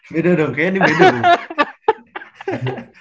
beda dong kayaknya ini beda dong